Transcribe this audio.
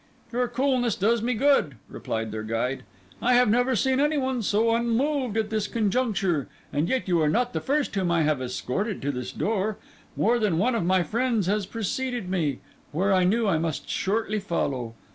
"Your coolness does me good," replied their guide. "I have never seen any one so unmoved at this conjuncture; and yet you are not the first whom I have escorted to this door. More than one of my friends has preceded me, where I knew I must shortly follow.